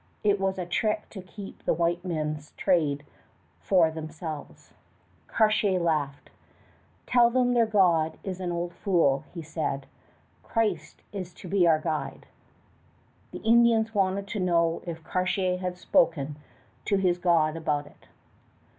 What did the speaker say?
It was a trick to keep the white men's trade for themselves. Cartier laughed. "Tell them their god is an old fool," he said. "Christ is to be our guide." The Indians wanted to know if Cartier had spoken to his God about it.